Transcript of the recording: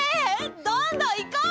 どんどんいこう！